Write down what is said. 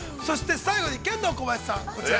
◆最後にケンドーコバヤシさん、こちら。